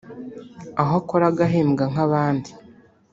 aho akora agahembwa nk’abandi